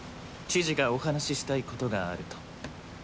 知事がお話ししたいことがあると。